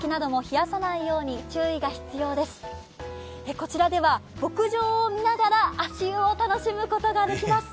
こちらでは牧場を見ながら足湯を楽しむことができます。